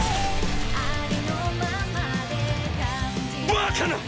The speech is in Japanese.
バカな！